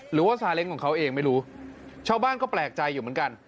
หรือว่าซาเล้งของเขาเองไม่รู้ชาวบ้านก็แปลกใจอยู่เหมือนกัน